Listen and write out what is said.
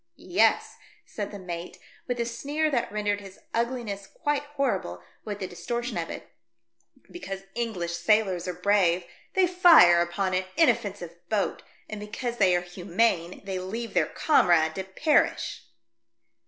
"Yes," said the mate, with a sneer that rendered his ugliness quite horrible with the distortion of it, " because English sailors are brave they fire upon an inoffensive boat, and because they are humane they leave their comrade to perish